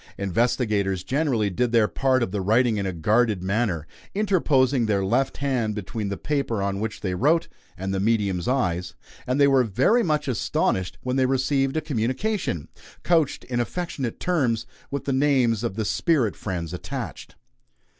Investigators generally did their part of the writing in a guarded manner, interposing their left hand between the paper on which they wrote and the medium's eyes; and they were very much astonished when they received a communication, couched in affectionate terms, with the names of their spirit friends attached.